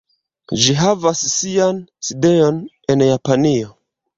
Ĝi havas sian sidejon en Japanio.